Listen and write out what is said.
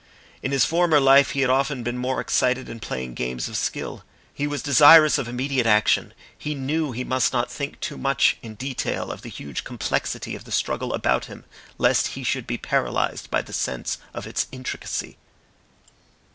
In his former life he had often been more excited in playing games of skill. He was desirous of immediate action, he knew he must not think too much in detail of the huge complexity of the struggle about him lest be should be paralysed by the sense of its intricacy.